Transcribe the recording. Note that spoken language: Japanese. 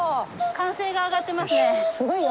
歓声が上がってますね。